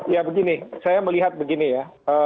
ya begini saya melihat begini ya